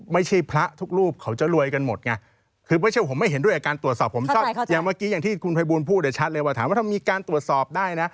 ไม่ใช่พระทุกรูปเขาจะรวยกันหมดไงเพราะถ้า